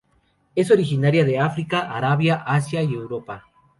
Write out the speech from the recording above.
Es originaria de África, Arabia, Asia y Europa.